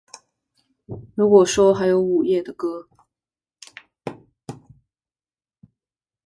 如果说还有午夜的歌